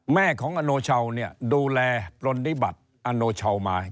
แม่ของอโนเช้านี่ดูแลปฏิบัติอโนเช้ามา